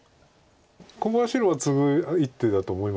ここは白はツグ一手だと思います。